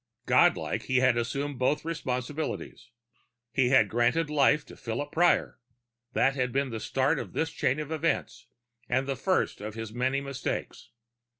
Godlike, he had assumed both responsibilities. He had granted life to Philip Prior; that had been the start of this chain of events, and the first of his many mistakes.